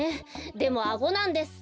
でもアゴなんです。